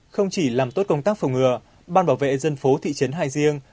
không chỉ làm tốt công tác phòng ngừa ban bảo vệ dân phố thị trấn hải diêng